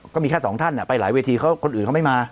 ก็มีแค่สองท่านไปหลายเวทีเขาคนอื่นเขาไม่มา